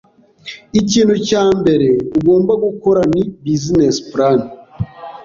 ikintu cya mbere ugomba gukora, ni business plan